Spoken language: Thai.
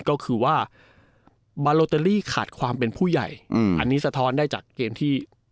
ก็คือว่าบาโลเตอรี่ขาดความเป็นผู้ใหญ่อันนี้สะท้อนได้จากเกมที่